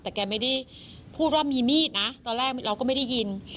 แต่แกไม่ได้พูดว่ามีมีดนะตอนแรกเราก็ไม่ได้ยิน